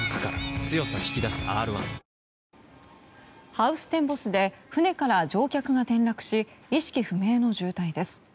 ハウステンボスで船から乗客が転落し意識不明の重体です。